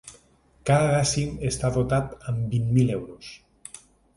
Cada dècim està dotat amb vint mil euros.